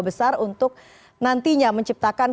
besar untuk nantinya menciptakan